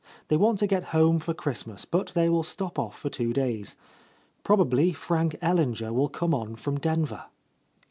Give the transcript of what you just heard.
They want to get home for Christ mas, but they will stop off for two days. Prob ably Frank Ellinger will come on from Denver."